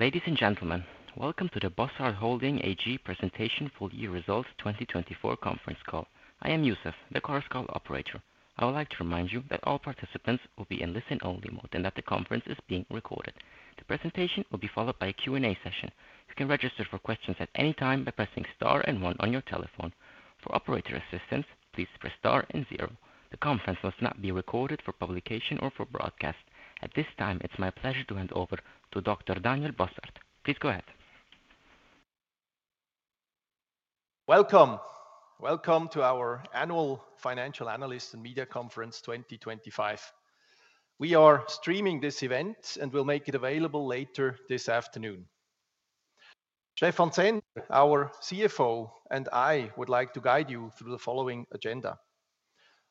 Ladies and gentlemen, welcome to the Bossard Holding AG Presentation Full Year Results 2024 Conference Call. I am Youssef, the Chorus Call Operator. I would like to remind you that all participants will be in listen-only mode and that the conference is being recorded. The presentation will be followed by a Q&A session. You can register for questions at any time by pressing star and one on your telephone. For operator assistance, please press star and zero. The conference must not be recorded for publication or for broadcast. At this time, it's my pleasure to hand over to Dr. Daniel Bossard. Please go ahead. Welcome. Welcome to our annual Financial Analyst and Media Conference 2025. We are streaming this event and will make it available later this afternoon. Stephan Zehnder, our CFO, and I would like to guide you through the following agenda.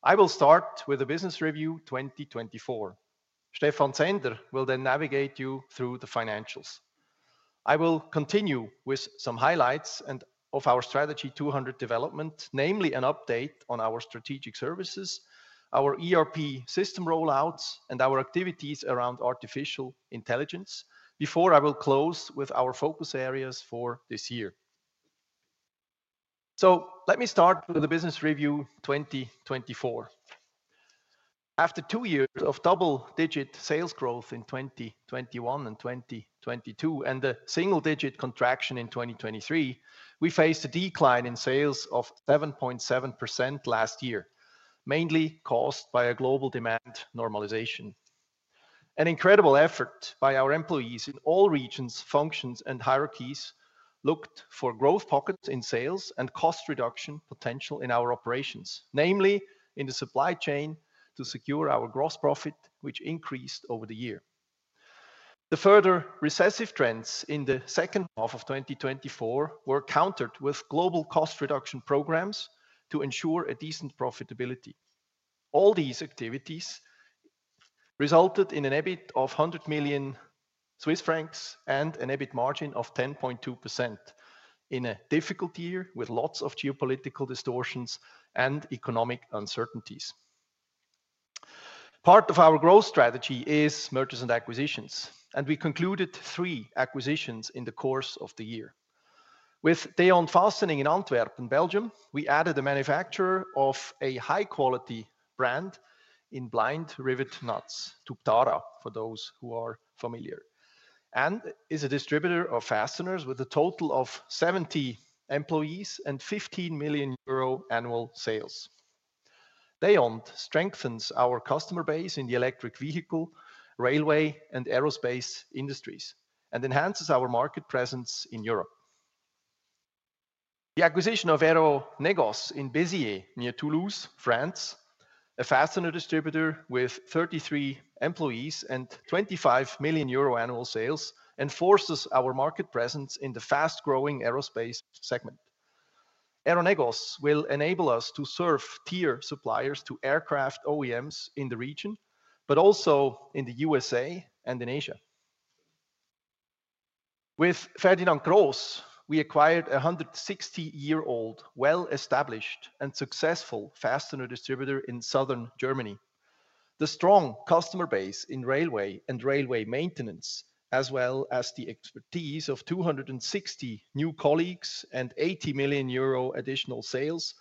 I will start with the Business Review 2024. Stephan Zehnder will then navigate you through the financials. I will continue with some highlights of our Strategy 200 development, namely an update on our strategic services, our ERP system rollouts, and our activities around artificial intelligence, before I will close with our focus areas for this year. So let me start with the Business Review 2024. After two years of double-digit sales growth in 2021 and 2022, and a single-digit contraction in 2023, we faced a decline in sales of 7.7% last year, mainly caused by global demand normalization. An incredible effort by our employees in all regions, functions, and hierarchies looked for growth pockets in sales and cost reduction potential in our operations, namely in the supply chain to secure our gross profit, which increased over the year. The further recessive trends in the second half of 2024 were countered with global cost reduction programs to ensure a decent profitability. All these activities resulted in a net profit of 100 million Swiss francs and a net profit margin of 10.2% in a difficult year with lots of geopolitical distortions and economic uncertainties. Part of our growth strategy is mergers and acquisitions, and we concluded three acquisitions in the course of the year. With Dejond Fastening in Antwerp, Belgium, we added a manufacturer of a high-quality brand in blind rivet nuts, Tubtara, for those who are familiar, and is a distributor of fasteners with a total of 70 employees and 15 million euro annual sales. Dejond strengthens our customer base in the electric vehicle, railway, and aerospace industries and enhances our market presence in Europe. The acquisition of Aéro Négoce in Béziers, near Toulouse, France, a fastener distributor with 33 employees and 25 million euro annual sales, enforces our market presence in the fast-growing aerospace segment. Aéro Négoce will enable us to serve tier suppliers to aircraft OEMs in the region, but also in the USA and in Asia. With Ferdinand Gross, we acquired a 160-year-old, well-established, and successful fastener distributor in southern Germany. The strong customer base in railway and railway maintenance, as well as the expertise of 260 new colleagues and 80 million euro additional sales,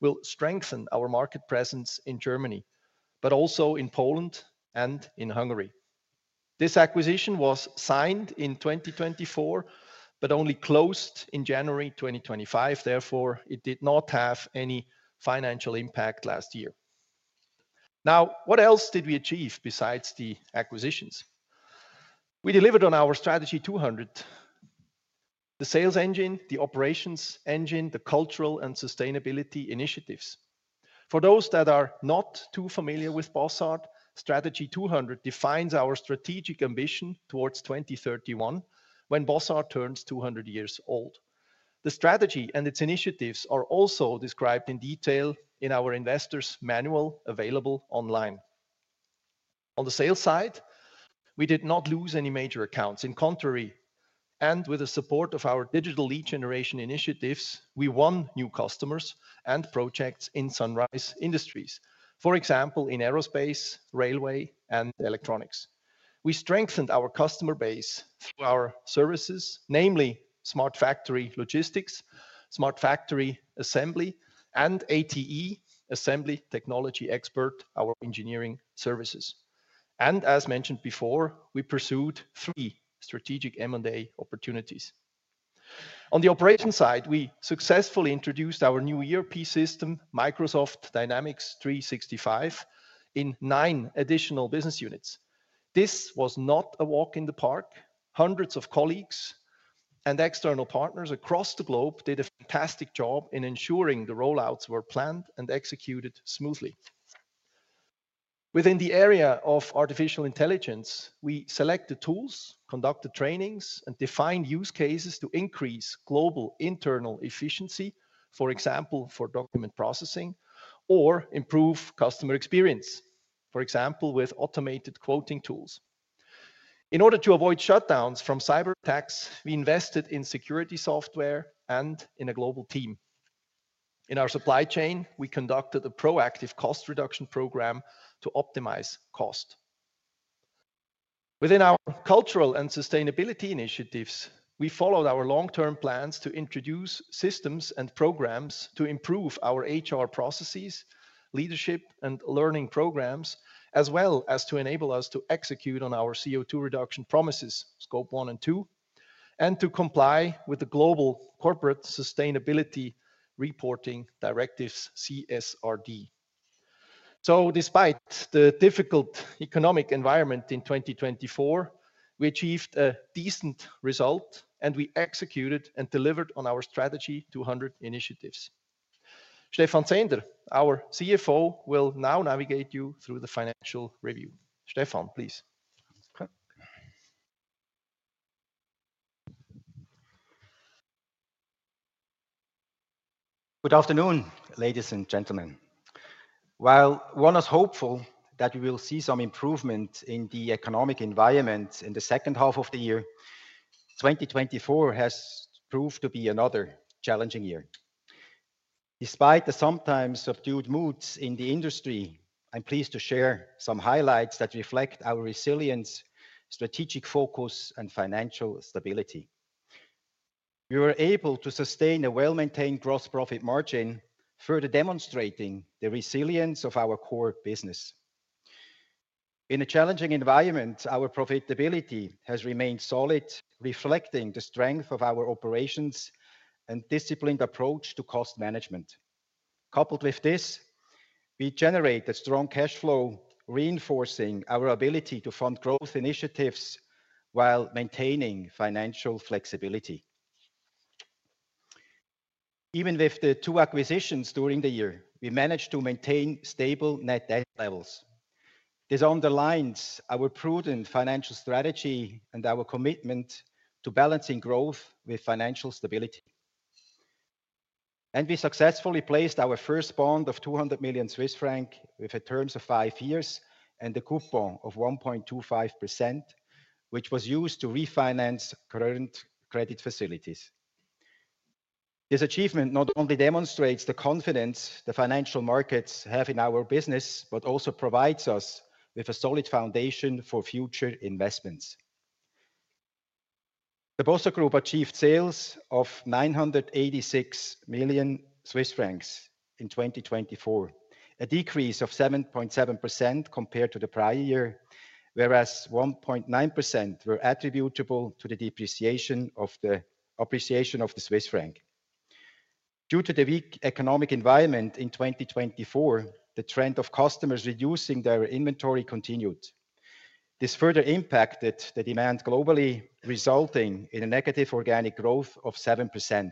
will strengthen our market presence in Germany, but also in Poland and in Hungary. This acquisition was signed in 2024, but only closed in January 2025. Therefore, it did not have any financial impact last year. Now, what else did we achieve besides the acquisitions? We delivered on our Strategy 200, the sales engine, the operations engine, the cultural and sustainability initiatives. For those that are not too familiar with Bossard, Strategy 200 defines our strategic ambition towards 2031, when Bossard turns 200 years old. The strategy and its initiatives are also described in detail in our investor's manual available online. On the sales side, we did not lose any major accounts. In contrast, and with the support of our digital lead generation initiatives, we won new customers and projects in sunrise industries, for example, in aerospace, railway, and electronics. We strengthened our customer base through our services, namely Smart Factory Logistics, Smart Factory Assembly, and ATE Assembly Technology Expert, our engineering services. And as mentioned before, we pursued three strategic M&A opportunities. On the operation side, we successfully introduced our new ERP system, Microsoft Dynamics 365, in nine additional business units. This was not a walk in the park. Hundreds of colleagues and external partners across the globe did a fantastic job in ensuring the rollouts were planned and executed smoothly. Within the area of artificial intelligence, we selected tools, conducted trainings, and defined use cases to increase global internal efficiency, for example, for document processing, or improve customer experience, for example, with automated quoting tools. In order to avoid shutdowns from cyber attacks, we invested in security software and in a global team. In our supply chain, we conducted a proactive cost reduction program to optimize cost. Within our cultural and sustainability initiatives, we followed our long-term plans to introduce systems and programs to improve our HR processes, leadership, and learning programs, as well as to enable us to execute on our CO2 reduction promises, Scope 1 and 2, and to comply with the global corporate sustainability reporting directives, CSRD. So despite the difficult economic environment in 2024, we achieved a decent result, and we executed and delivered on our Strategy 200 initiatives. Stephan Zehnder, our CFO, will now navigate you through the Financial Review. Stephan, please. Good afternoon, ladies and gentlemen. While one is hopeful that we will see some improvement in the economic environment in the second half of the year, 2024 has proved to be another challenging year. Despite the sometimes subdued moods in the industry, I'm pleased to share some highlights that reflect our resilience, strategic focus, and financial stability. We were able to sustain a well-maintained gross profit margin, further demonstrating the resilience of our core business. In a challenging environment, our profitability has remained solid, reflecting the strength of our operations and disciplined approach to cost management. Coupled with this, we generate a strong cash flow, reinforcing our ability to fund growth initiatives while maintaining financial flexibility. Even with the two acquisitions during the year, we managed to maintain stable net debt levels. This underlines our prudent financial strategy and our commitment to balancing growth with financial stability. We successfully placed our first bond of 200 million Swiss franc with terms of five years and a coupon of 1.25%, which was used to refinance current credit facilities. This achievement not only demonstrates the confidence the financial markets have in our business, but also provides us with a solid foundation for future investments. The Bossard Group achieved sales of 986 million Swiss francs in 2024, a decrease of 7.7% compared to the prior year, whereas 1.9% were attributable to the appreciation of the Swiss franc. Due to the weak economic environment in 2024, the trend of customers reducing their inventory continued. This further impacted the demand globally, resulting in a negative organic growth of 7%.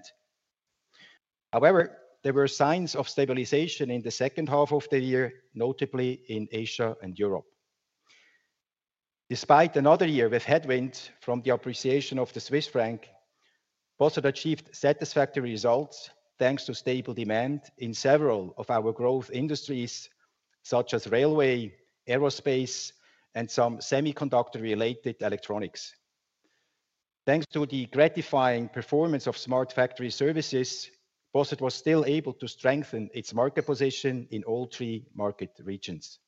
However, there were signs of stabilization in the second half of the year, notably in Asia and Europe. Despite another year with headwinds from the appreciation of the Swiss franc, Bossard achieved satisfactory results thanks to stable demand in several of our growth industries, such as railway, aerospace, and some semiconductor-related electronics. Thanks to the gratifying performance of Smart Factory Services, Bossard was still able to strengthen its market position in all three market regions.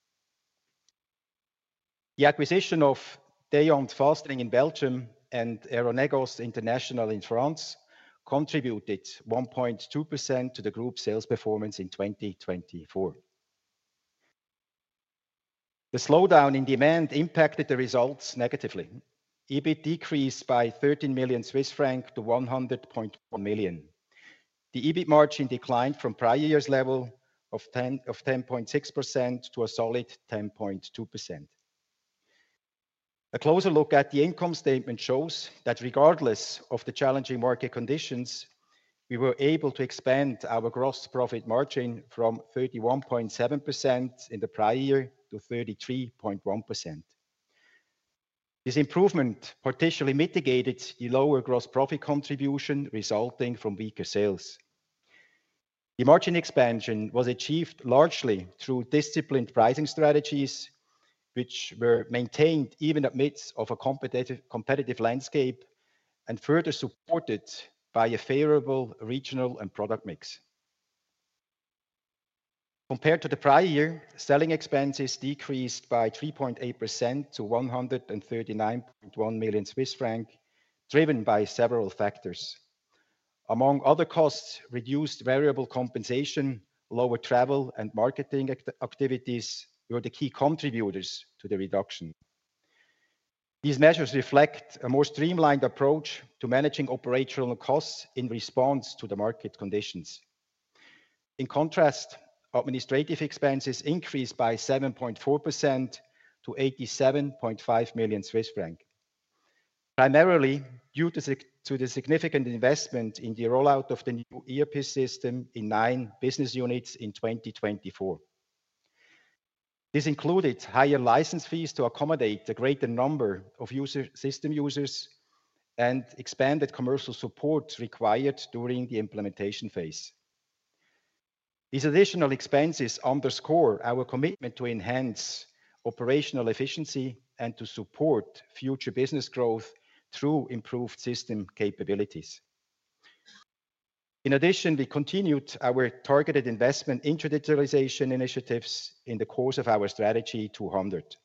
The acquisition of Dejond Fastening in Belgium and Aéro Négoce International in France contributed 1.2% to the group sales performance in 2024. The slowdown in demand impacted the results negatively. EBIT decreased by 13 million CHF-100.1 million CHF. The EBIT margin declined from prior year's level of 10.6% to a solid 10.2%. A closer look at the income statement shows that regardless of the challenging market conditions, we were able to expand our gross profit margin from 31.7% in the prior year to 33.1%. This improvement partially mitigated the lower gross profit contribution resulting from weaker sales. The margin expansion was achieved largely through disciplined pricing strategies, which were maintained even amidst a competitive landscape and further supported by a favorable regional and product mix. Compared to the prior year, selling expenses decreased by 3.8% to 139.1 million Swiss francs, driven by several factors. Among other costs, reduced variable compensation, lower travel and marketing activities were the key contributors to the reduction. These measures reflect a more streamlined approach to managing operational costs in response to the market conditions. In contrast, administrative expenses increased by 7.4% to 87.5 million Swiss francs, primarily due to the significant investment in the rollout of the new ERP system in nine business units in 2024. This included higher license fees to accommodate a greater number of system users and expanded commercial support required during the implementation phase. These additional expenses underscore our commitment to enhance operational efficiency and to support future business growth through improved system capabilities. In addition, we continued our targeted investment in digitalization initiatives in the course of our Strategy 200.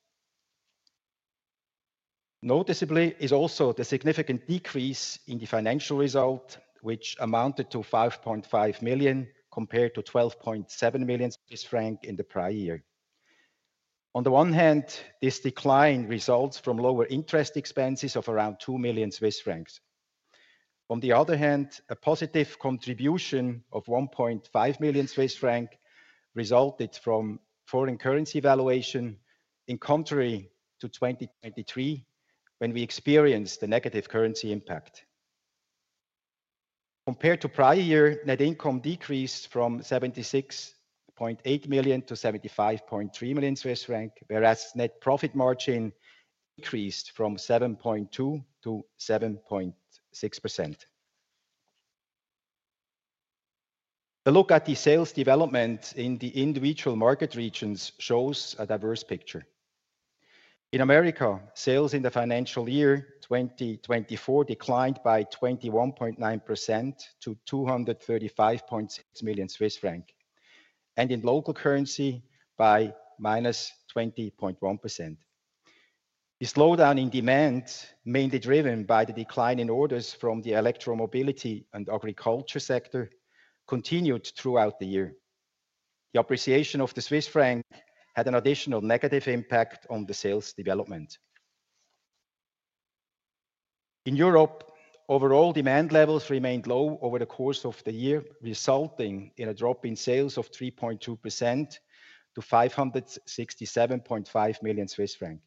Noticeable is also the significant decrease in the financial result, which amounted to 5.5 million compared to 12.7 million Swiss franc in the prior year. On the one hand, this decline results from lower interest expenses of around 2 million Swiss francs. On the other hand, a positive contribution of 1.5 million Swiss francs resulted from foreign currency valuation in contrary to 2023, when we experienced the negative currency impact. Compared to prior year, net income decreased from 76.8 million to 75.3 million Swiss franc, whereas net profit margin decreased from 7.2%-7.6%. A look at the sales development in the individual market regions shows a diverse picture. In America, sales in the financial year 2024 declined by 21.9% to 235.6 million Swiss franc, and in local currency by -20.1%. The slowdown in demand, mainly driven by the decline in orders from the electromobility and agriculture sector, continued throughout the year. The appreciation of the Swiss franc had an additional negative impact on the sales development. In Europe, overall demand levels remained low over the course of the year, resulting in a drop in sales of 3.2% to 567.5 million Swiss francs.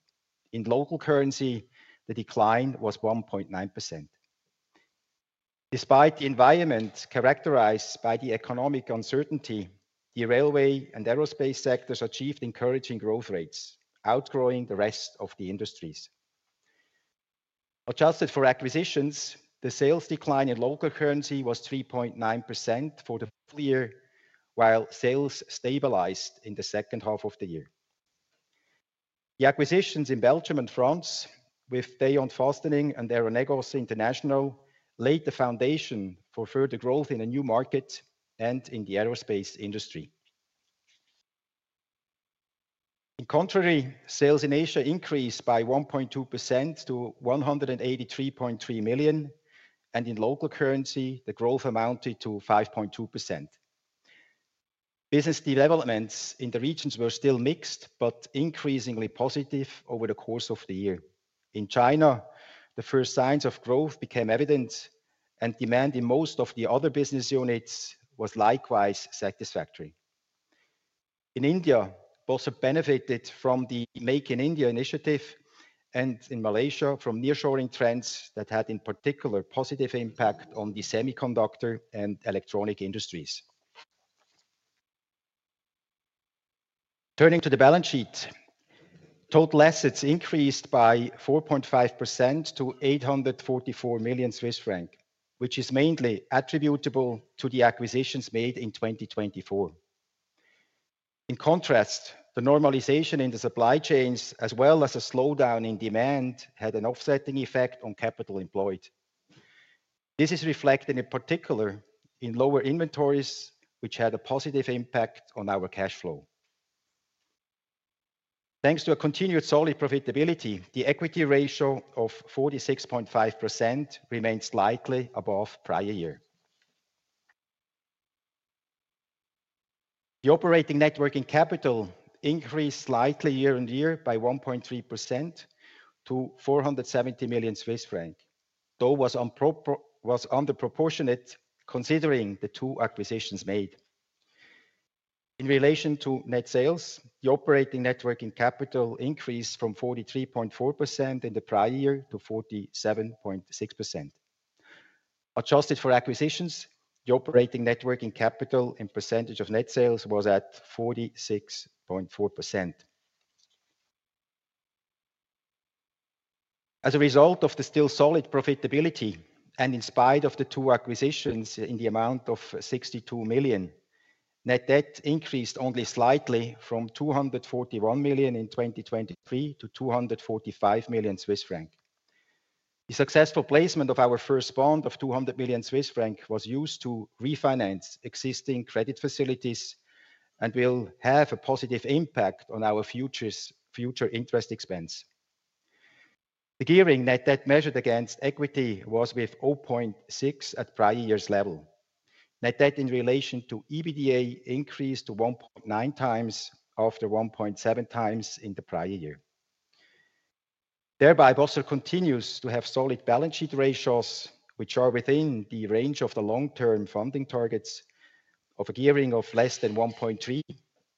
In local currency, the decline was 1.9%. Despite the environment characterized by the economic uncertainty, the railway and aerospace sectors achieved encouraging growth rates, outgrowing the rest of the industries. Adjusted for acquisitions, the sales decline in local currency was 3.9% for the full year, while sales stabilized in the second half of the year. The acquisitions in Belgium and France, with Dejond Fastening and Aéro Négoce International, laid the foundation for further growth in a new market and in the aerospace industry. In contrast, sales in Asia increased by 1.2% to 183.3 million, and in local currency, the growth amounted to 5.2%. Business developments in the regions were still mixed, but increasingly positive over the course of the year. In China, the first signs of growth became evident, and demand in most of the other business units was likewise satisfactory. In India, Bossard benefited from the Make in India initiative, and in Malaysia, from nearshoring trends that had in particular positive impact on the semiconductor and electronic industries. Turning to the balance sheet, total assets increased by 4.5% to 844 million Swiss franc, which is mainly attributable to the acquisitions made in 2024. In contrast, the normalization in the supply chains, as well as a slowdown in demand, had an offsetting effect on capital employed. This is reflected in particular in lower inventories, which had a positive impact on our cash flow. Thanks to a continued solid profitability, the equity ratio of 46.5% remains slightly above prior year. The operating net working capital increased slightly year on year by 1.3% to 470 million CHF, though was underproportionate considering the two acquisitions made. In relation to net sales, the operating net working capital increased from 43.4% in the prior year to 47.6%. Adjusted for acquisitions, the operating net working capital in percentage of net sales was at 46.4%. As a result of the still solid profitability, and in spite of the two acquisitions in the amount of 62 million CHF, net debt increased only slightly from 241 million CHF in 2023 to 245 million Swiss franc. The successful placement of our first bond of 200 million Swiss franc was used to refinance existing credit facilities and will have a positive impact on our future interest expense. The gearing net debt measured against equity was with 0.6% at prior year's level. Net debt in relation to EBITDA increased to 1.9 times after 1.7 times in the prior year. Thereby, Bossard continues to have solid balance sheet ratios, which are within the range of the long-term funding targets of a gearing of less than 1.3%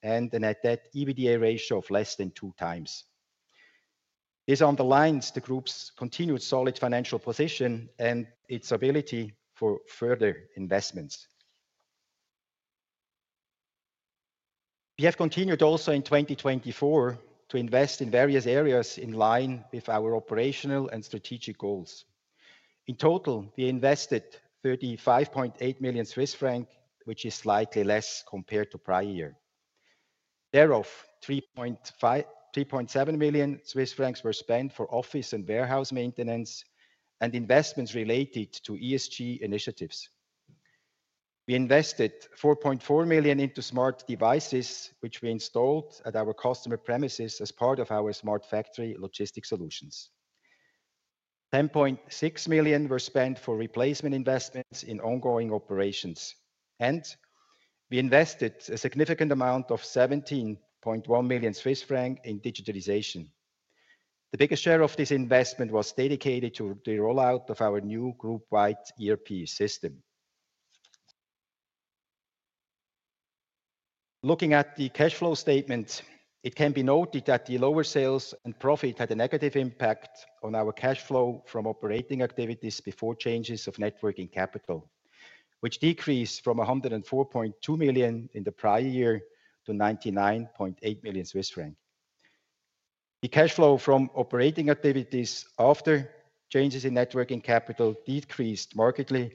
and a net debt EBITDA ratio of less than two times. This underlines the group's continued solid financial position and its ability for further investments. We have continued also in 2024 to invest in various areas in line with our operational and strategic goals. In total, we invested 35.8 million Swiss franc, which is slightly less compared to prior year. Thereof, 3.7 million Swiss francs were spent for office and warehouse maintenance and investments related to ESG initiatives. We invested 4.4 million into smart devices, which we installed at our customer premises as part of our Smart Factory Logistics Solutions. 10.6 million were spent for replacement investments in ongoing operations, and we invested a significant amount of 17.1 million Swiss francs in digitalization. The biggest share of this investment was dedicated to the rollout of our new group-wide ERP system. Looking at the cash flow statement, it can be noted that the lower sales and profit had a negative impact on our cash flow from operating activities before changes in net working capital, which decreased from 104.2 million in the prior year to 99.8 million Swiss franc. The cash flow from operating activities after changes in net working capital decreased markedly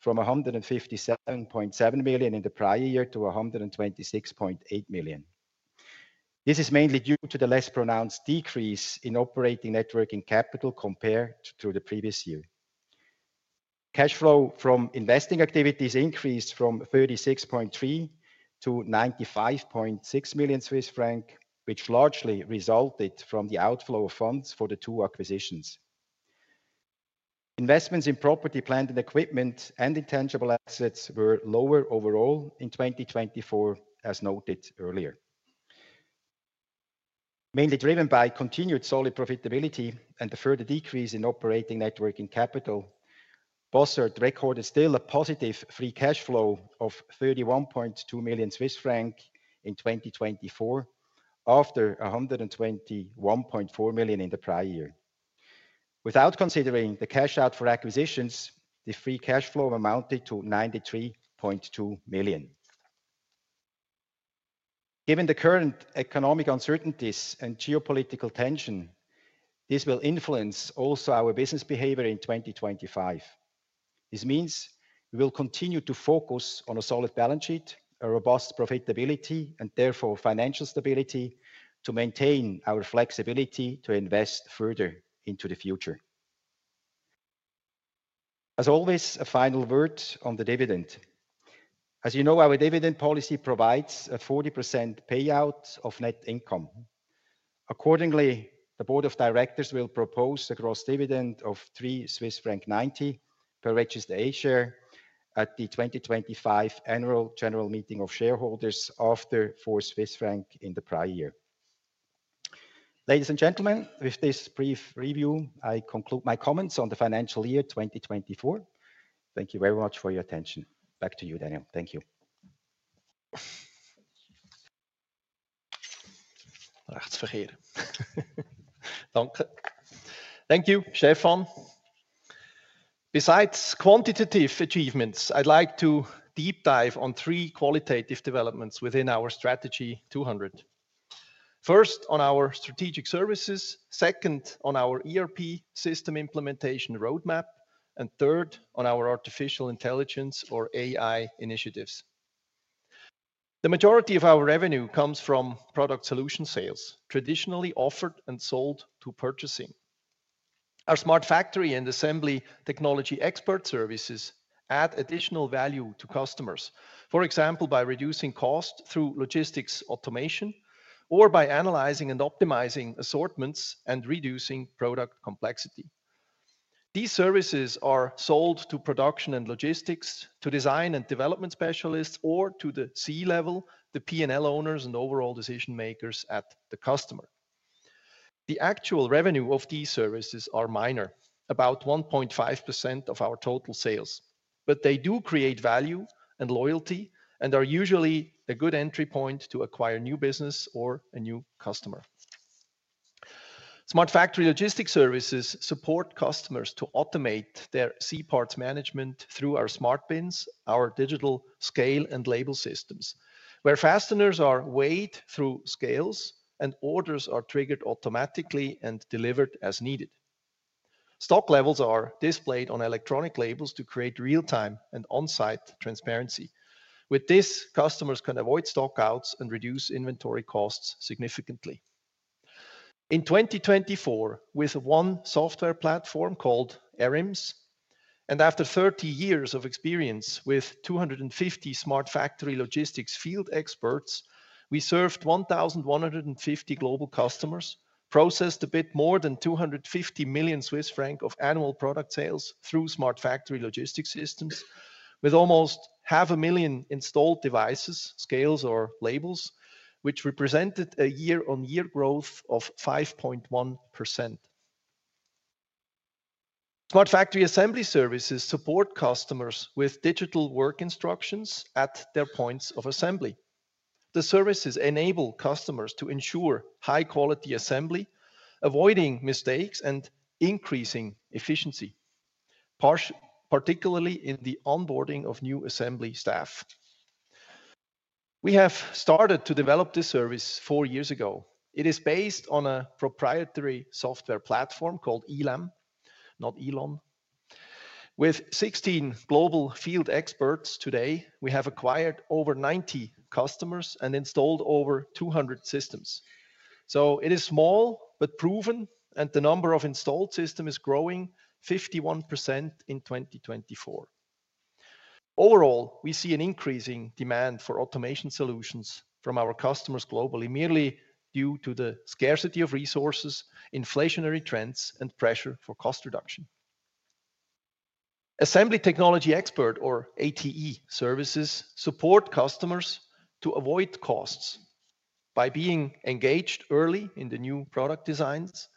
from 157.7 million in the prior year to 126.8 million. This is mainly due to the less pronounced decrease in operating net working capital compared to the previous year. Cash flow from investing activities increased from 36.3 million-95.6 million Swiss franc, which largely resulted from the outflow of funds for the two acquisitions. Investments in property, plant, and equipment and intangible assets were lower overall in 2024, as noted earlier. Mainly driven by continued solid profitability and the further decrease in operating net working capital, Bossard recorded still a positive free cash flow of 31.2 million Swiss franc in 2024, after 121.4 million in the prior year. Without considering the cash out for acquisitions, the free cash flow amounted to 93.2 million. Given the current economic uncertainties and geopolitical tension, this will influence also our business behavior in 2025. This means we will continue to focus on a solid balance sheet, a robust profitability, and therefore financial stability to maintain our flexibility to invest further into the future. As always, a final word on the dividend. As you know, our dividend policy provides a 40% payout of net income. Accordingly, the Board of Directors will propose a gross dividend of 3.90 Swiss franc per registered A-share at the 2025 annual general meeting of shareholders after 4.00 Swiss franc in the prior year. Ladies and gentlemen, with this brief review, I conclude my comments on the financial year 2024. Thank you very much for your attention. Back to you, Daniel. Thank you. Thank you, Stephan. Besides quantitative achievements, I'd like to deep dive on three qualitative developments within our Strategy 200. First, on our strategic services. Second, on our ERP system implementation roadmap. And third, on our artificial intelligence, or AI, initiatives. The majority of our revenue comes from product solution sales, traditionally offered and sold to purchasing. Our Smart Factory and Assembly Technology Expert services add additional value to customers, for example, by reducing costs through logistics automation or by analyzing and optimizing assortments and reducing product complexity. These services are sold to production and logistics, to design and development specialists, or to the C-level, the P&L owners and overall decision makers at the customer. The actual revenue of these services is minor, about 1.5% of our total sales, but they do create value and loyalty and are usually a good entry point to acquire new business or a new customer. Smart Factory Logistics Services support customers to automate their C-parts management through our SmartBins, our digital scale and label systems, where fasteners are weighed through scales and orders are triggered automatically and delivered as needed. Stock levels are displayed on electronic labels to create real-time and on-site transparency. With this, customers can avoid stockouts and reduce inventory costs significantly. In 2024, with one software platform called ARIMS, and after 30 years of experience with 250 Smart Factory Logistics field experts, we served 1,150 global customers, processed a bit more than 250 million Swiss francs of annual product sales through Smart Factory Logistics Systems, with almost 500,000 installed devices, scales, or labels, which represented a year-on-year growth of 5.1%. Smart Factory Assembly Services support customers with digital work instructions at their points of assembly. The services enable customers to ensure high-quality assembly, avoiding mistakes and increasing efficiency, particularly in the onboarding of new assembly staff. We have started to develop this service four years ago. It is based on a proprietary software platform called ELAM, not Elon. With 16 global field experts today, we have acquired over 90 customers and installed over 200 systems. So it is small but proven, and the number of installed systems is growing 51% in 2024. Overall, we see an increasing demand for automation solutions from our customers globally, merely due to the scarcity of resources, inflationary trends, and pressure for cost reduction. Assembly Technology Expert, or ATE, services support customers to avoid costs by being engaged early in the new product designs,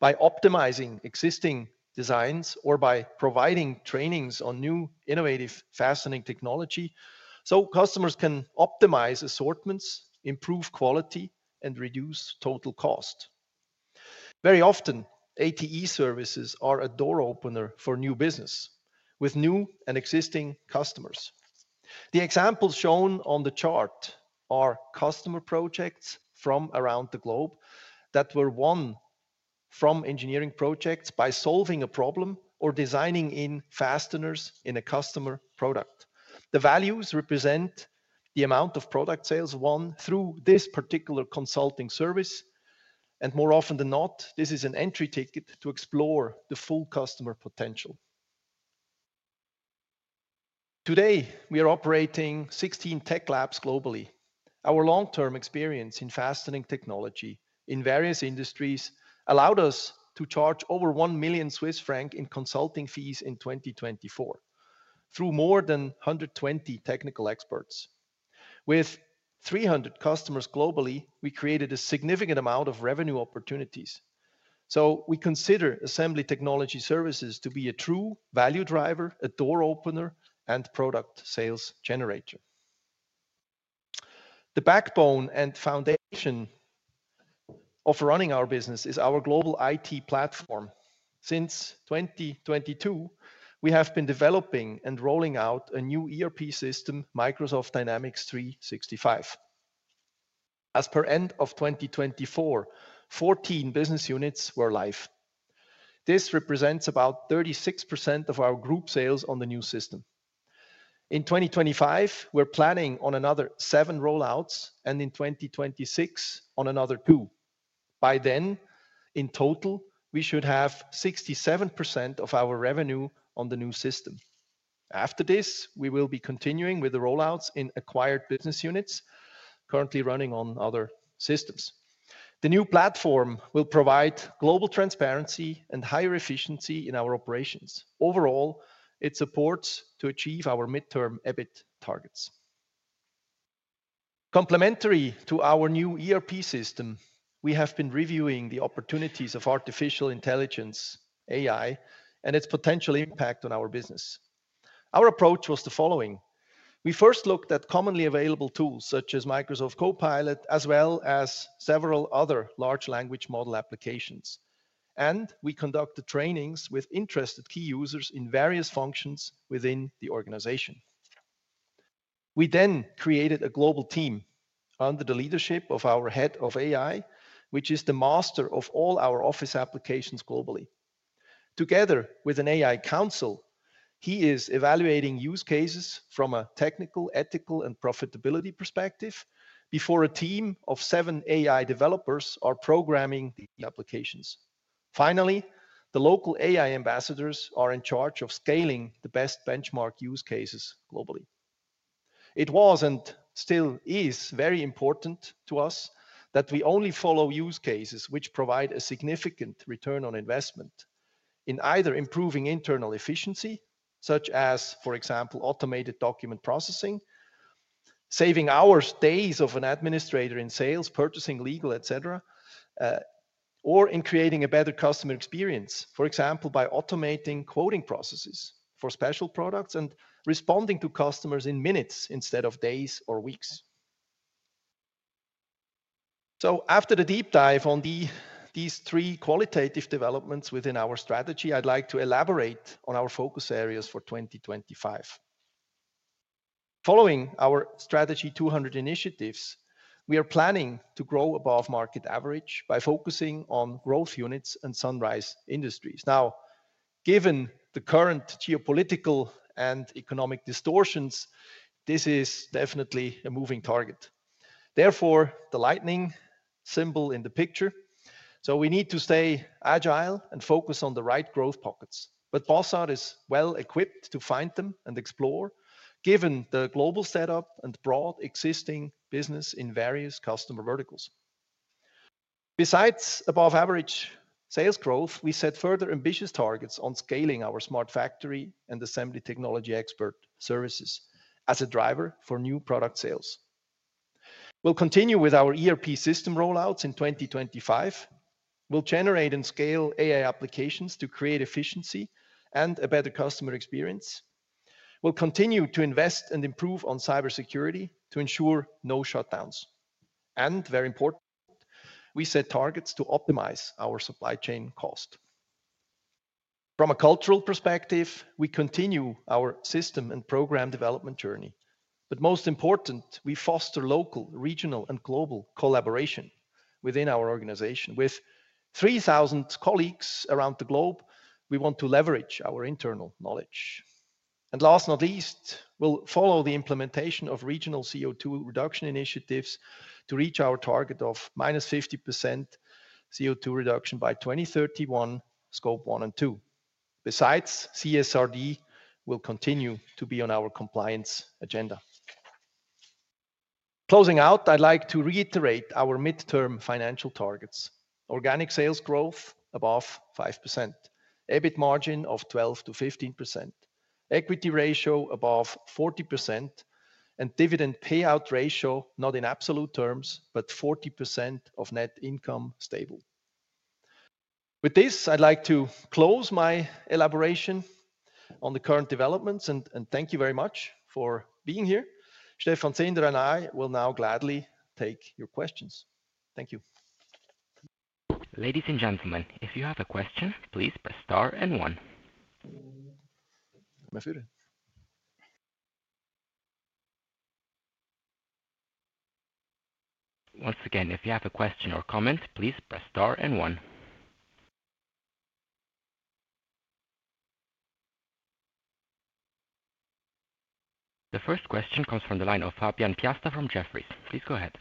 by optimizing existing designs, or by providing trainings on new innovative fastening technology, so customers can optimize assortments, improve quality, and reduce total cost. Very often, ATE services are a door opener for new business with new and existing customers. The examples shown on the chart are customer projects from around the globe that were won from engineering projects by solving a problem or designing in fasteners in a customer product. The values represent the amount of product sales won through this particular consulting service, and more often than not, this is an entry ticket to explore the full customer potential. Today, we are operating 16 tech labs globally. Our long-term experience in fastening technology in various industries allowed us to charge over 1 million Swiss franc in consulting fees in 2024 through more than 120 technical experts. With 300 customers globally, we created a significant amount of revenue opportunities. So we consider Assembly Technology Services to be a true value driver, a door opener, and product sales generator. The backbone and foundation of running our business is our global IT platform. Since 2022, we have been developing and rolling out a new ERP system, Microsoft Dynamics 365. As per end of 2024, 14 business units were live. This represents about 36% of our group sales on the new system. In 2025, we're planning on another seven rollouts, and in 2026, on another two. By then, in total, we should have 67% of our revenue on the new system. After this, we will be continuing with the rollouts in acquired business units currently running on other systems. The new platform will provide global transparency and higher efficiency in our operations. Overall, it supports to achieve our midterm EBIT targets. Complementary to our new ERP system, we have been reviewing the opportunities of artificial intelligence, AI, and its potential impact on our business. Our approach was the following. We first looked at commonly available tools such as Microsoft Copilot, as well as several other large language model applications, and we conducted trainings with interested key users in various functions within the organization. We then created a global team under the leadership of our Head of AI, which is the master of all our office applications globally. Together with an AI council, he is evaluating use cases from a technical, ethical, and profitability perspective before a team of seven AI developers are programming the applications. Finally, the local AI ambassadors are in charge of scaling the best benchmark use cases globally. It was and still is very important to us that we only follow use cases which provide a significant return on investment in either improving internal efficiency, such as, for example, automated document processing, saving hours, days of an administrator in sales, purchasing, legal, etc., or in creating a better customer experience, for example, by automating quoting processes for special products and responding to customers in minutes instead of days or weeks. So after the deep dive on these three qualitative developments within our strategy, I'd like to elaborate on our focus areas for 2025. Following our Strategy 200 initiatives, we are planning to grow above market average by focusing on growth units and sunrise industries. Now, given the current geopolitical and economic distortions, this is definitely a moving target. Therefore, the lightning symbol in the picture. So we need to stay agile and focus on the right growth pockets. But Bossard is well equipped to find them and explore, given the global setup and broad existing business in various customer verticals. Besides above average sales growth, we set further ambitious targets on scaling our Smart Factory and Assembly Technology Expert services as a driver for new product sales. We'll continue with our ERP system rollouts in 2025. We'll generate and scale AI applications to create efficiency and a better customer experience. We'll continue to invest and improve on cybersecurity to ensure no shutdowns. And very important, we set targets to optimize our supply chain cost. From a cultural perspective, we continue our system and program development journey. But most important, we foster local, regional, and global collaboration within our organization. With 3,000 colleagues around the globe, we want to leverage our internal knowledge. Last, not least, we'll follow the implementation of regional CO2 reduction initiatives to reach our target of -50% CO2 reduction by 2031, Scope 1 and 2. Besides, CSRD will continue to be on our compliance agenda. Closing out, I'd like to reiterate our midterm financial targets: organic sales growth above 5%, EBIT margin of 12%-15%, equity ratio above 40%, and dividend payout ratio, not in absolute terms, but 40% of net income stable. With this, I'd like to close my elaboration on the current developments, and thank you very much for being here. Stephan Zehnder and I will now gladly take your questions. Thank you. Ladies and gentlemen, if you have a question, please press star and one. Once again, if you have a question or comment, please press star and one. The first question comes from the line of Fabian Piasta from Jefferies. Please go ahead.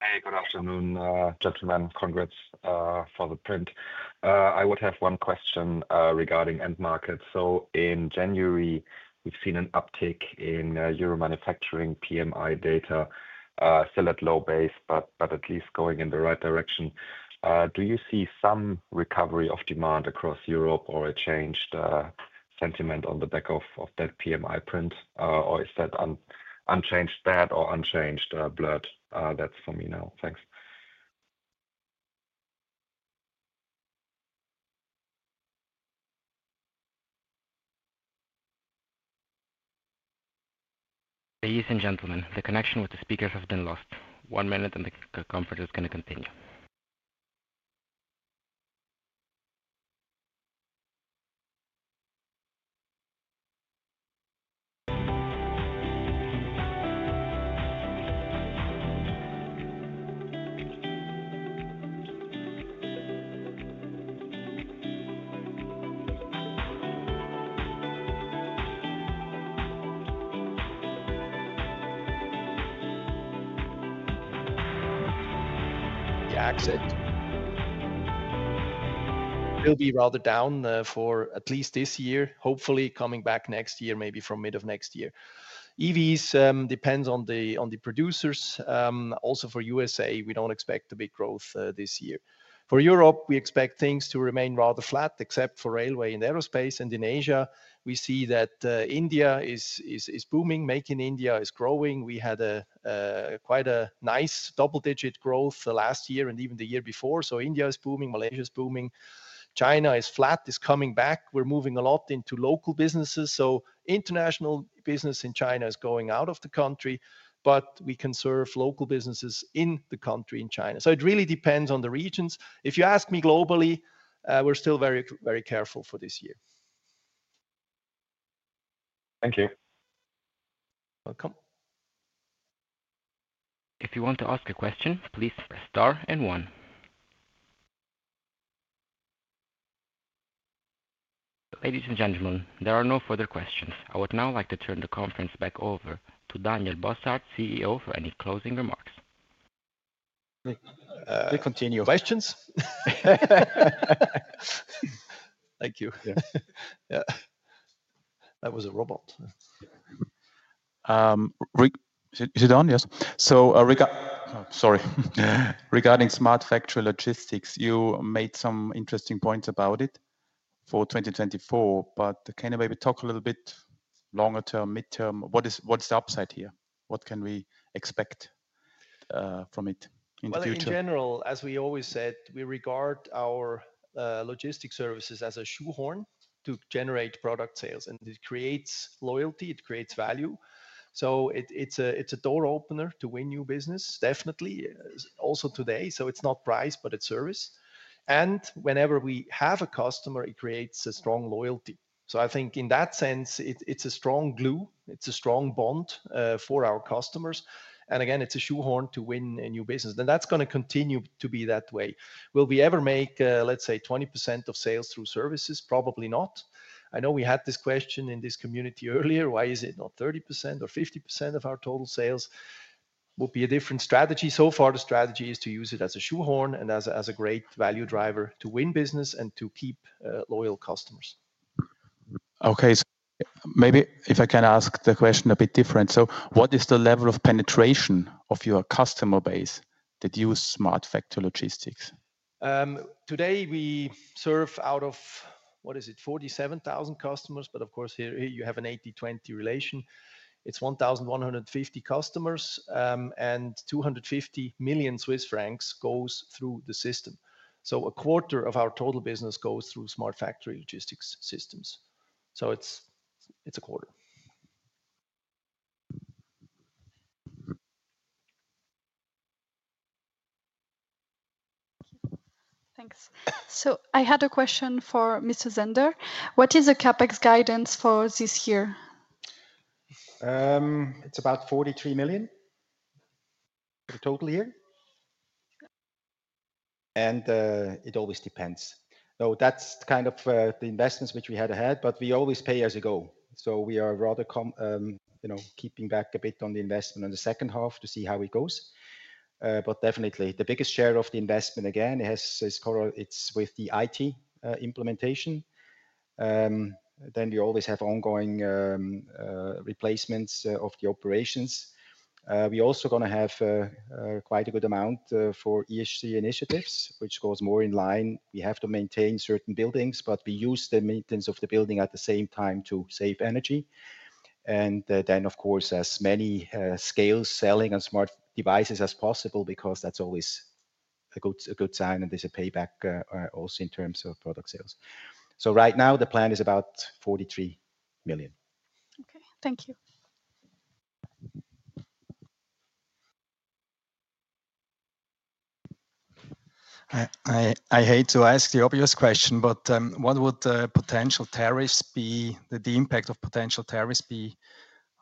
Hey, good afternoon, gentlemen. Congrats for the print. I would have one question regarding end market. So in January, we've seen an uptick in Eurozone manufacturing PMI data, still at low base, but at least going in the right direction. Do you see some recovery of demand across Europe or a changed sentiment on the back of that PMI print, or is that unchanged, bad, or unchanged, blurred? That's from me now. Thanks. Ladies and gentlemen, the connection with the speakers has been lost. One minute, and the conference is going to continue. It will be rather down for at least this year, hopefully coming back next year, maybe from mid of next year. EVs depend on the producers. Also for USA, we don't expect the big growth this year. For Europe, we expect things to remain rather flat, except for railway and aerospace. In Asia, we see that India is booming. Make in India is growing. We had quite a nice double-digit growth last year and even the year before. So India is booming. Malaysia is booming. China is flat. It is coming back. We're moving a lot into local businesses. So international business in China is going out of the country, but we can serve local businesses in the country in China. So it really depends on the regions. If you ask me globally, we're still very, very careful for this year. Thank you. Welcome. If you want to ask a question, please press star and one. Ladies and gentlemen, there are no further questions. I would now like to turn the conference back over to Daniel Bossard, CEO, for any closing remarks. We continue questions. Thank you. Yeah. That was a robot. Is it on? Yes. Regarding Smart Factory Logistics, you made some interesting points about it for 2024, but can you maybe talk a little bit longer term, midterm? What's the upside here? What can we expect from it in the future? In general, as we always said, we regard our logistics services as a shoehorn to generate product sales, and it creates loyalty, it creates value. So it's a door opener to win new business, definitely, also today. So it's not price, but it's service, and whenever we have a customer, it creates a strong loyalty. So I think in that sense, it's a strong glue, it's a strong bond for our customers, and again, it's a shoehorn to win a new business. And that's going to continue to be that way. Will we ever make, let's say, 20% of sales through services? Probably not. I know we had this question in this community earlier. Why is it not 30% or 50% of our total sales? Would be a different strategy. So far, the strategy is to use it as a shoehorn and as a great value driver to win business and to keep loyal customers. Okay. Maybe if I can ask the question a bit different. So what is the level of penetration of your customer base that use Smart Factory Logistics? Today, we serve out of, what is it, 47,000 customers, but of course, here you have an 80-20 relation. It's 1,150 customers, and 250 million Swiss francs goes through the system. So a quarter of our total business goes through Smart Factory Logistics systems. So it's a quarter. Thanks. So I had a question for Mr. Zehnder. What is the CapEx guidance for this year? It's about 43 million total here. And it always depends. So that's kind of the investments which we had ahead, but we always pay as we go. So we are rather keeping back a bit on the investment in the second half to see how it goes. But definitely, the biggest share of the investment, again, it's with the IT implementation. Then we always have ongoing replacements of the operations. We're also going to have quite a good amount for EHC initiatives, which goes more in line. We have to maintain certain buildings, but we use the maintenance of the building at the same time to save energy. And then, of course, as many scale selling on smart devices as possible, because that's always a good sign, and there's a payback also in terms of product sales. So right now, the plan is about 43 million. Okay. Thank you. I hate to ask the obvious question, but what would potential tariffs be, the impact of potential tariffs be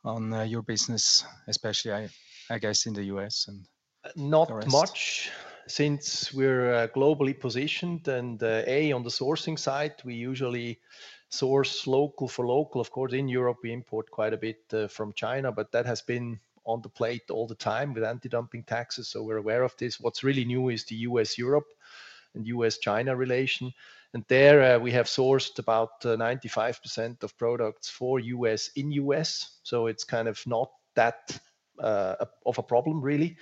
on your business, especially, I guess, in the U.S. and foreign? Not much since we're globally positioned. And A, on the sourcing side, we usually source local for local. Of course, in Europe, we import quite a bit from China, but that has been on the plate all the time with anti-dumping taxes. So we're aware of this. What's really new is the U.S.-Europe and U.S.-China relation. And there, we have sourced about 95% of products for US in U.S. So it's kind of not that of a problem, really.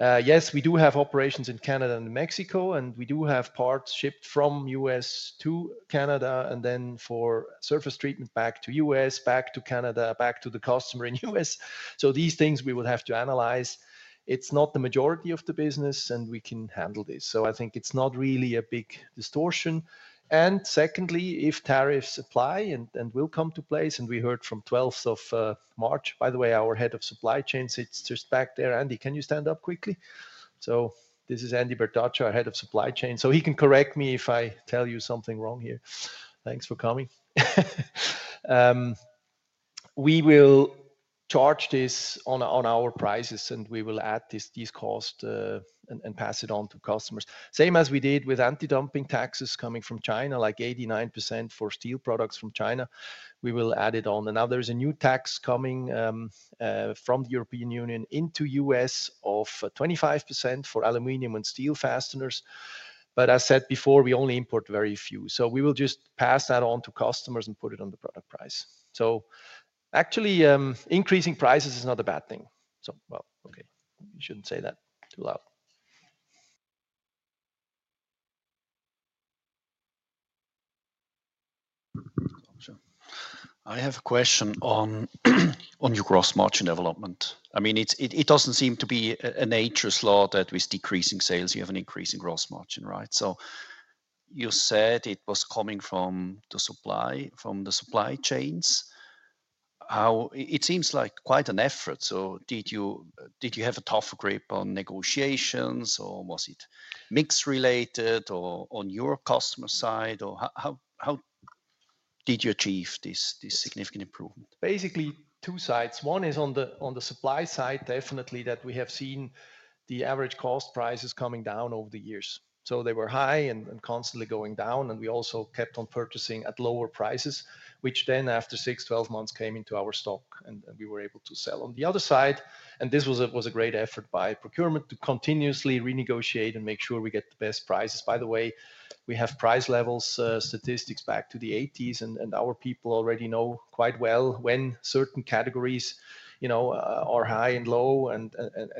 Yes, we do have operations in Canada and Mexico, and we do have parts shipped from U.S. to Canada and then for surface treatment back to U.S., back to Canada, back to the customer in U.S. So these things we would have to analyze. It's not the majority of the business, and we can handle this. So I think it's not really a big distortion. And secondly, if tariffs apply and will come into place, and we heard from 12th of March, by the way, our Head of Supply Chain sits just back there. Andy, can you stand up quickly? So this is Andy Bertschinger, Head of Supply Chain. So he can correct me if I tell you something wrong here. Thanks for coming. We will charge this on our prices, and we will add these costs and pass it on to customers. Same as we did with anti-dumping taxes coming from China, like 89% for steel products from China. We will add it on. And now there's a new tax coming from the European Union into the U.S. of 25% for aluminum and steel fasteners. But as said before, we only import very few. So we will just pass that on to customers and put it on the product price. So actually, increasing prices is not a bad thing. Well, okay, you shouldn't say that too loud. I have a question on your gross margin development. I mean, it doesn't seem natural that with decreasing sales, you have an increasing gross margin, right? So you said it was coming from the supply chains. It seems like quite an effort. So did you have a tight grip on negotiations, or was it mix-related on your customer side, or how did you achieve this significant improvement? Basically, two sides. One is on the supply side, definitely, that we have seen the average cost prices coming down over the years. So they were high and constantly going down, and we also kept on purchasing at lower prices, which then, after six, 12 months, came into our stock, and we were able to sell. On the other side, and this was a great effort by procurement to continuously renegotiate and make sure we get the best prices. By the way, we have price levels statistics back to the 1980s, and our people already know quite well when certain categories are high and low and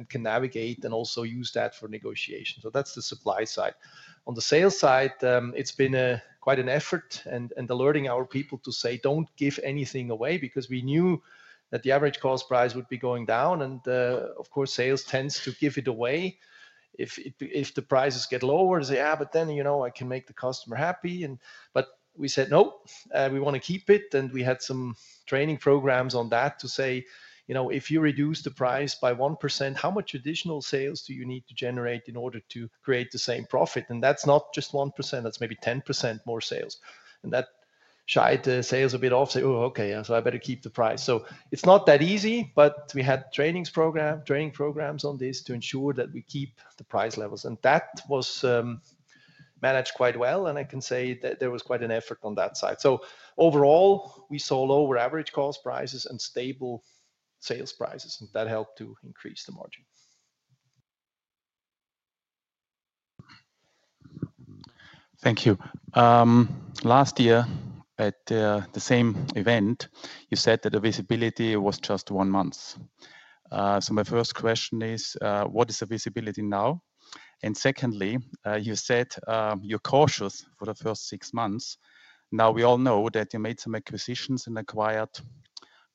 can navigate and also use that for negotiation. So that's the supply side. On the sales side, it's been quite an effort and alerting our people to say, "Don't give anything away," because we knew that the average cost price would be going down. And of course, sales tends to give it away if the prices get lower. They say, "Yeah, but then I can make the customer happy." But we said, "Nope, we want to keep it." And we had some training programs on that to say, "If you reduce the price by 1%, how much additional sales do you need to generate in order to create the same profit?" And that's not just 1%, that's maybe 10% more sales. And that shied the sales a bit off, saying, "Oh, okay, so I better keep the price." So it's not that easy, but we had training programs on this to ensure that we keep the price levels. And that was managed quite well. And I can say that there was quite an effort on that side. So overall, we saw lower average cost prices and stable sales prices, and that helped to increase the margin. Thank you. Last year, at the same event, you said that the visibility was just one month. So my first question is, what is the visibility now? And secondly, you said you're cautious for the first six months. Now we all know that you made some acquisitions and acquired,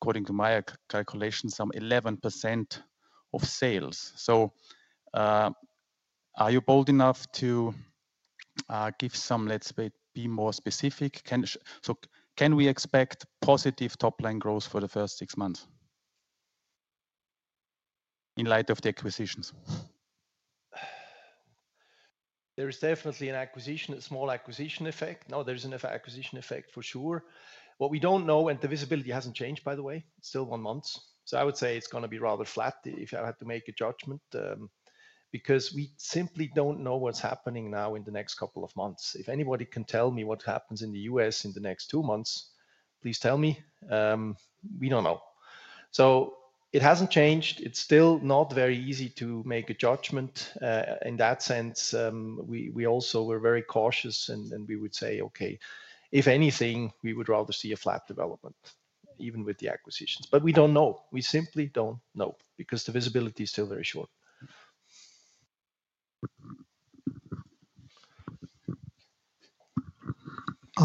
according to my calculations, some 11% of sales. So are you bold enough to give some, let's be more specific? So can we expect positive top-line growth for the first six months in light of the acquisitions? There is definitely a small acquisition effect. No, there is an acquisition effect for sure. What we don't know, and the visibility hasn't changed, by the way, still one month. So I would say it's going to be rather flat if I had to make a judgment, because we simply don't know what's happening now in the next couple of months. If anybody can tell me what happens in the US in the next two months, please tell me. We don't know. So it hasn't changed. It's still not very easy to make a judgment. In that sense, we also were very cautious, and we would say, "Okay, if anything, we would rather see a flat development, even with the acquisitions." But we don't know. We simply don't know because the visibility is still very short.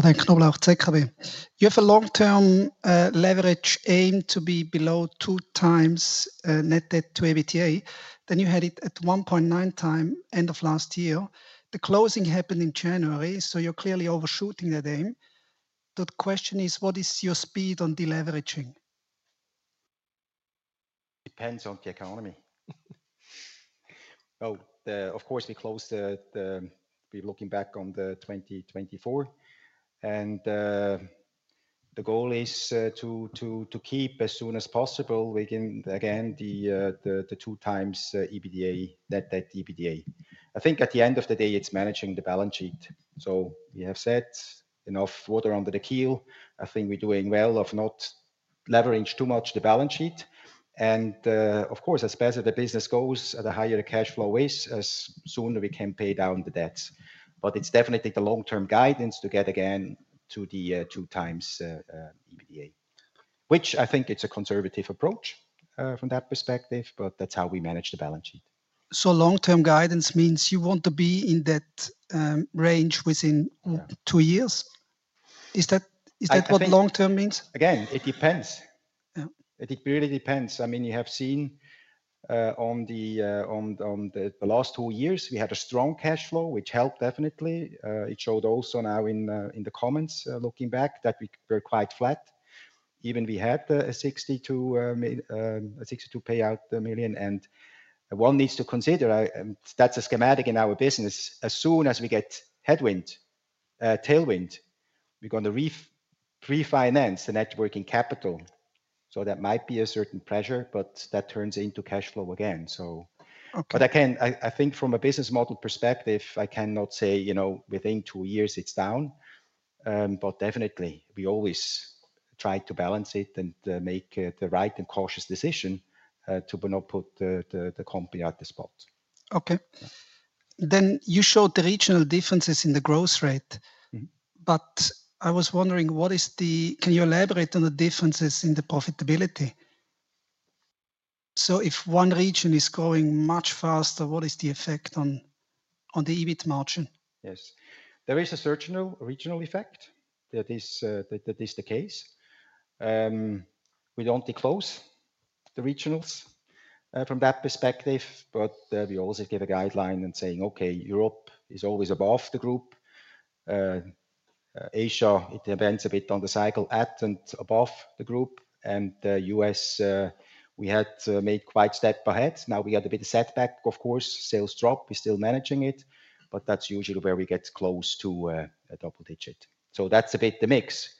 Thank you, Knoblauch ZKB. You have a long-term leverage aim to be below two times net debt to EBITDA. Then you had it at 1.9 times end of last year. The closing happened in January, so you're clearly overshooting that aim. The question is, what is your speed on deleveraging? Depends on the economy. Well, of course, we closed the year. We're looking back on 2024. The goal is to keep as soon as possible, again, the two times EBITDA, net debt to EBITDA. I think at the end of the day, it's managing the balance sheet. We have said enough water under the keel. I think we're doing well of not leveraging too much the balance sheet. Of course, as best as the business goes, the higher the cash flow is, as sooner we can pay down the debts. It's definitely the long-term guidance to get again to the two times EBITDA, which I think it's a conservative approach from that perspective, but that's how we manage the balance sheet. Long-term guidance means you want to be in that range within two years. Is that what long-term means? Again, it depends. It really depends. I mean, you have seen in the last two years, we had a strong cash flow, which helped definitely. It showed also now in the comments looking back that we were quite flat. Even we had a 62 million payout. And one needs to consider, that's a characteristic in our business. As soon as we get headwind, tailwind, we're going to refinance the working capital. So that might be a certain pressure, but that turns into cash flow again. But I think from a business model perspective, I cannot say within two years it's down. But definitely, we always try to balance it and make the right and cautious decision to not put the company at the spot. Okay. Then you showed the regional differences in the growth rate. But I was wondering, can you elaborate on the differences in the profitability? So if one region is growing much faster, what is the effect on the EBIT margin? Yes. There is a regional effect that is the case. We don't disclose the regionals from that perspective, but we always give a guideline and say, "Okay, Europe is always above the group. Asia, it depends a bit on the cycle, at and above the group." And the US, we had made quite a step ahead. Now we had a bit of setback, of course, sales drop. We're still managing it, but that's usually where we get close to a double digit. So that's a bit the mix.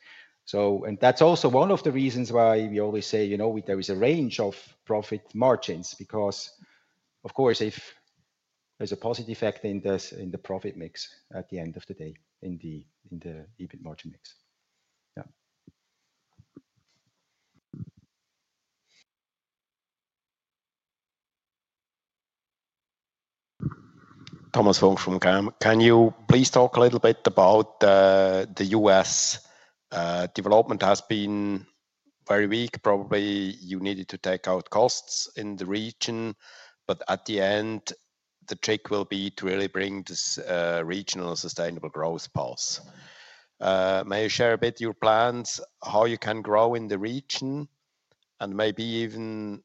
And that's also one of the reasons why we always say there is a range of profit margins, because, of course, if there's a positive effect in the profit mix at the end of the day in the EBIT margin mix. Thomas Wolfram, can you please talk a little bit about the US development? It has been very weak. Probably you needed to take out costs in the region, but at the end, the trick will be to really bring this regional sustainable growth path. May I share a bit your plans, how you can grow in the region, and maybe even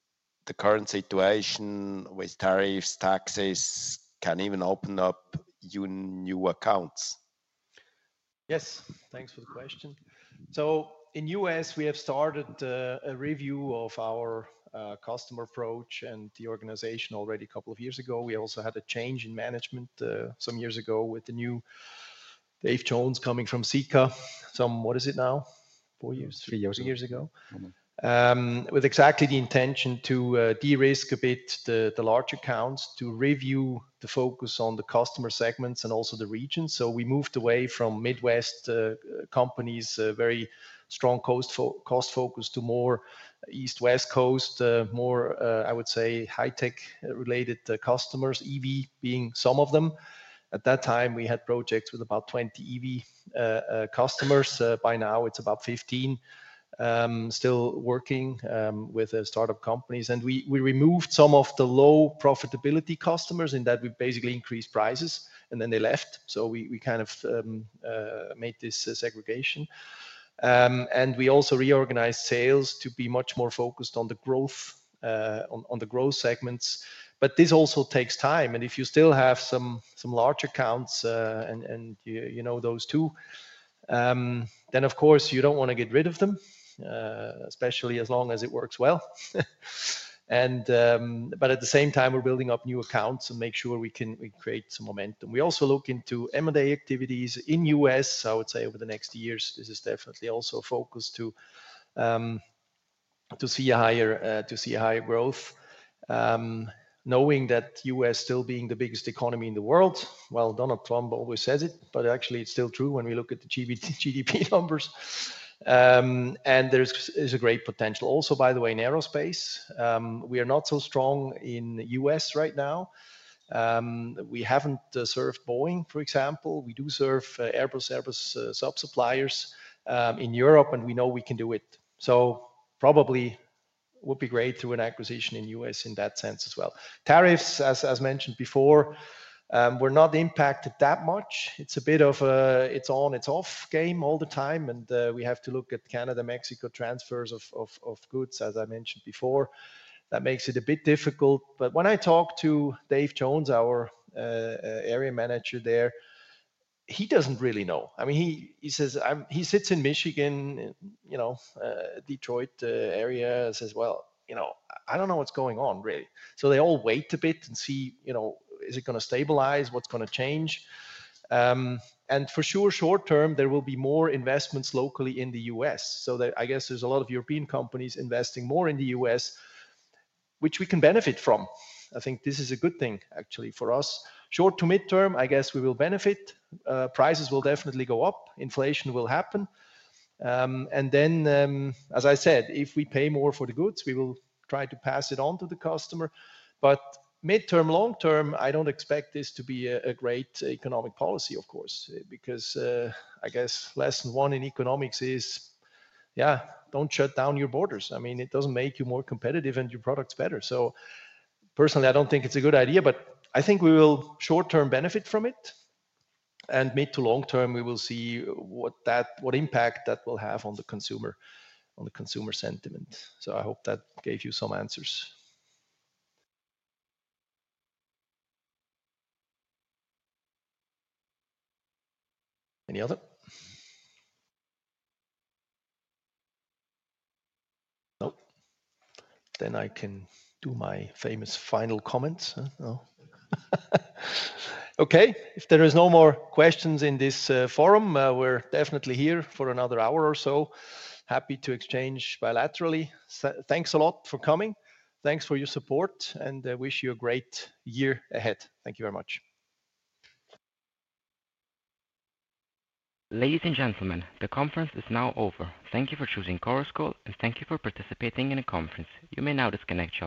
the current situation with tariffs, taxes can even open up new accounts? Yes. Thanks for the question. So in the US, we have started a review of our customer approach and the organization already a couple of years ago. We also had a change in management some years ago with the new Dave Jones coming from Sika. What is it now? Four years. Three years ago. With exactly the intention to de-risk a bit the large accounts to review the focus on the customer segments and also the region. So we moved away from Midwest companies, very strong cost focus to more East West Coast, more, I would say, high-tech related customers, EV being some of them. At that time, we had projects with about 20 EV customers. By now, it's about 15, still working with startup companies. And we removed some of the low profitability customers in that we basically increased prices, and then they left. So we kind of made this segregation. And we also reorganized sales to be much more focused on the growth segments. But this also takes time. And if you still have some large accounts and you know those two, then, of course, you don't want to get rid of them, especially as long as it works well. But at the same time, we're building up new accounts and make sure we create some momentum. We also look into M&A activities in the U.S. I would say over the next years, this is definitely also a focus to see a higher growth, knowing that the U.S. still being the biggest economy in the world. Donald Trump always says it, but actually, it's still true when we look at the GDP numbers. There is a great potential also, by the way, in aerospace. We are not so strong in the U.S. right now. We haven't served Boeing, for example. We do serve Airbus, Airbus subsuppliers in Europe, and we know we can do it. Probably would be great to an acquisition in the U.S. in that sense as well. Tariffs, as mentioned before, were not impacted that much. It's a bit of a it's on, it's off game all the time. We have to look at Canada, Mexico transfers of goods, as I mentioned before. That makes it a bit difficult. When I talk to Dave Jones, our area manager there, he doesn't really know. I mean, he sits in Michigan, Detroit area, says, "Well, I don't know what's going on, really." They all wait a bit and see, is it going to stabilize? What's going to change? For sure, short term, there will be more investments locally in the U.S. I guess there's a lot of European companies investing more in the U.S., which we can benefit from. I think this is a good thing, actually, for us. Short to midterm, I guess we will benefit. Prices will definitely go up. Inflation will happen. And then, as I said, if we pay more for the goods, we will try to pass it on to the customer. But midterm, long term, I don't expect this to be a great economic policy, of course, because I guess lesson one in economics is, yeah, don't shut down your borders. I mean, it doesn't make you more competitive and your products better. So personally, I don't think it's a good idea, but I think we will short term benefit from it. And mid to long term, we will see what impact that will have on the consumer, on the consumer sentiment. So I hope that gave you some answers. Any other? Nope. Then I can do my famous final comments. Okay. If there are no more questions in this forum, we're definitely here for another hour or so. Happy to exchange bilaterally. Thanks a lot for coming. Thanks for your support, and I wish you a great year ahead. Thank you very much. Ladies and gentlemen, the conference is now over. Thank you for choosing Chorus Call, and thank you for participating in the conference. You may now disconnect.